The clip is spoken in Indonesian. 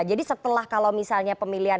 jadi setelah kalau misalnya pemilihan